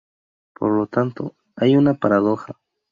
Por lo tanto, hay una paradoja.